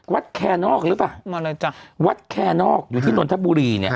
วัดแคนนอกหรือเปล่าวัดแคนนอกอยู่ที่นทบุรีเนี่ย